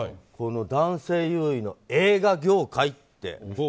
この男性優位の映画業界って。